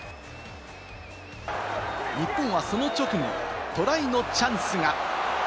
日本はその直後、トライのチャンスが。